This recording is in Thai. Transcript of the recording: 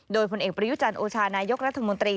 โดยผลเอกประยุจันทร์โอชานายกรัฐมนตรี